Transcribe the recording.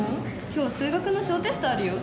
今日数学の小テストあるよ。